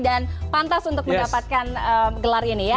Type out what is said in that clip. dan pantas untuk mendapatkan gelar ini ya